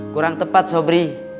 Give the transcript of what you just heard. kurang tepat sobri